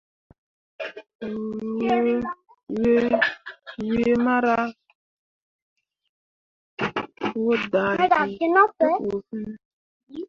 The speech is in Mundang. Wǝ yiimara, wǝ dahki te ɓu fine.